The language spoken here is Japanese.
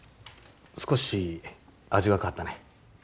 少し味が変わったね。